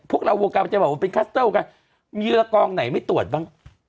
พวกเราวงการบันเทิงกันเนี่ยมีละกองไหนไม่ตรวจบ้าง